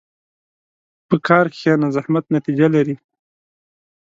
په کار کښېنه، زحمت نتیجه لري.